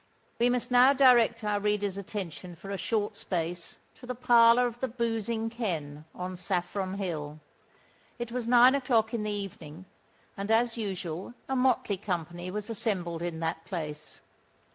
We must now direct our readers' attention for a short space to the parlour of the Boozing Ken on Saffron Hill. It was nine o'clock in the evening; and, as usual, a motley company was assembled in that place.